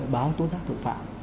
báo tố giác tội phạm